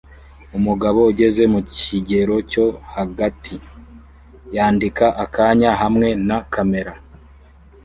Umugabo ugeze mu kigero cyo hagati yandika akanya hamwe na kamera